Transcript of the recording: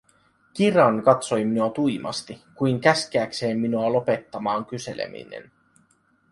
Kiran katsoi minua tuimasti, kuin käskeäkseen minua lopettamaan kyseleminen.